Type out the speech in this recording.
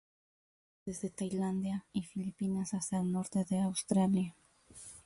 Se encuentra desde Tailandia y Filipinas hasta el norte de Australia.